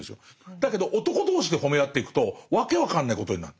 だけど男同士で褒め合っていくと訳分かんないことになる。